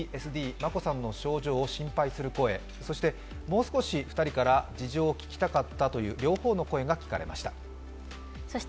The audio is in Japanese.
眞子さんの症状を心配する声、そしてもう少し２人から事情を聞きたかったという両方の声が聞かれました。